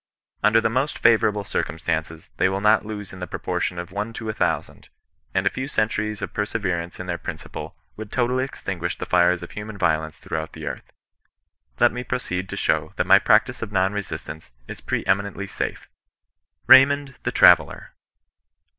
Under the most unfavourahle circumstances they will not lose in the proportion of one to a thousand, and a few centuries of perseverance in their principle would totally extinguish the fires of human violence through out the earth. Let me proceed to show that the prac tice of non resistance is pre eminently safe. RAYMOND TUE TRAVELLER.